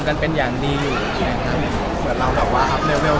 กันเป็นอย่างดีอยู่นะครับเหมือนเราแบบว่าอัพเนเวล